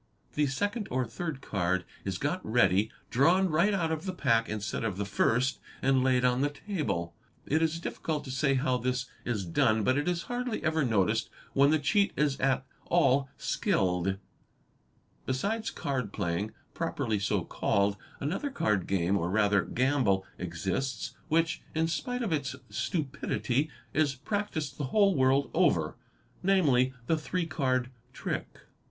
The second or third card is got ready, drawn right out of the pack instead of the first, and laid on the table. It is difficult to say how this is done but it is hardly ever noticed when the cheat is at all skilled, 828 CHEATING AND FRAUD Besides card playing, properly so called, another card game or rather gamble exists which, in spite of its stupidity, is practised the whole world over; namely the three card trick.